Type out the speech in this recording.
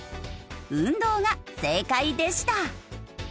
運動が正解でした。